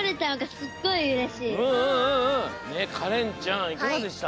カレンちゃんいかがでした？